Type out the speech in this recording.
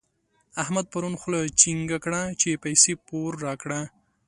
احمد پرون خوله چينګه کړه چې پيسې پور راکړه.